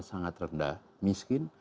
sangat rendah miskin